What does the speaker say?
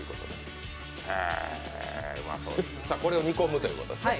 これを煮込むということですね。